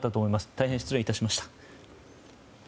大変、失礼致しました。